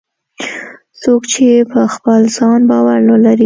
څوک چې په خپل ځان باور ولري